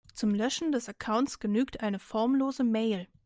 Zum Löschen des Accounts genügt eine formlose Mail.